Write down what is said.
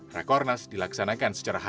rakornas dilaksanakan secara halal